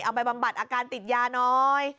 บำบัดอาการติดยาน้อย